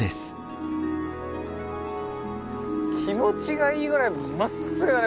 気持ちがいいぐらいまっすぐだね